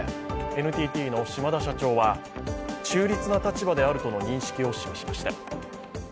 ＮＴＴの島田社長は中立な立場であるとの認識を示しました。